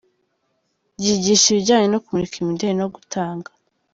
Ryigisha ibijyanye no kumurika imideli no gutanga.